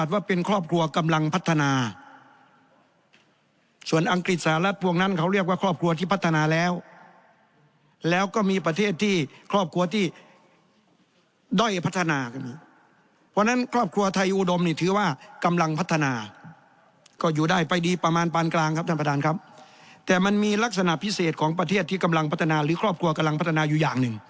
เพราะฉะนั้นพวกนั้นเขาเรียกว่าครอบครัวที่พัฒนาแล้วแล้วก็มีประเทศที่ครอบครัวที่ด้อยพัฒนากันเพราะฉะนั้นครอบครัวไทยอุดมนี่ถือว่ากำลังพัฒนาก็อยู่ได้ไปดีประมาณปานกลางครับท่านประธานครับแต่มันมีลักษณะพิเศษของประเทศที่กำลังพัฒนาหรือครอบครัวกำลังพัฒนาอยู่อย่างหนึ่ง